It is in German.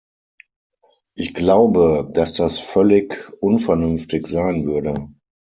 Ich glaube, dass das völlig unvernünftig sein würde.